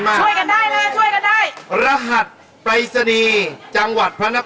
โอ้โฮต้องเก่งกว่านี้รับไปเลย๑วันมา